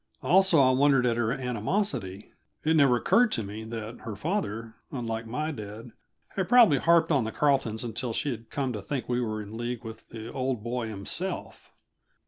Also, I wondered at her animosity. It never occurred to me that her father, unlike my dad, had probably harped on the Carletons until she had come to think we were in league with the Old Boy himself.